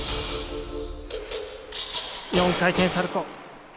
４回転サルコー。